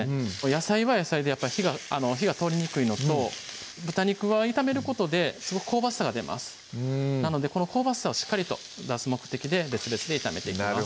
野菜は野菜で火が通りにくいのと豚肉は炒めることで香ばしさが出ますなのでこの香ばしさをしっかりと出す目的で別々で炒めていきます